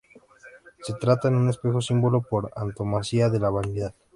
Se trata de un espejo, símbolo por antonomasia de la vanidad.